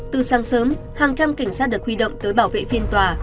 từ sáng sớm hàng trăm cảnh sát được huy động tới bảo vệ phiên tòa